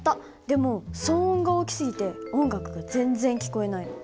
でも騒音が大きすぎて音楽が全然聞こえないの。